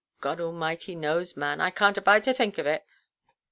"God Almighty knows, man. I canʼt abide to think of it."